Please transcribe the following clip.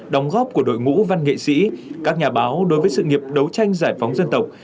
đóng góp của đội ngũ văn nghệ sĩ các nhà báo đối với sự nghiệp đấu tranh giải phóng dân tộc